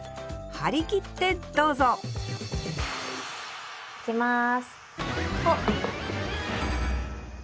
張り切ってどうぞいきます。